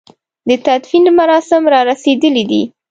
د تدفين مراسم را رسېدلي دي.